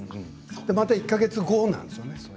また１か月後なんですよね。